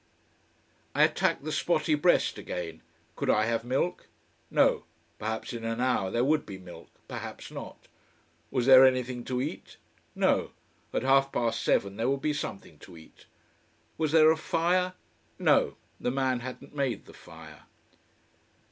I attacked the spotty breast again. Could I have milk? No. Perhaps in an hour there would be milk. Perhaps not. Was there anything to eat? No at half past seven there would be something to eat. Was there a fire? No the man hadn't made the fire.